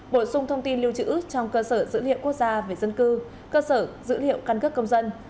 bổ sung thông tin lưu trữ trong cơ sở dữ liệu quốc gia về dân cư cơ sở dữ liệu căn cước công dân